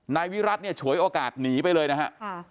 นายวิรัติเนี่ยฉวยโอกาสหนีไปเลยนะฮะ